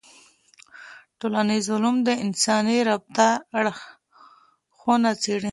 ټولنيز علوم د انساني رفتار اړخونه څېړي.